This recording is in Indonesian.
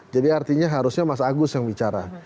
artinya harusnya mas agus yang bicara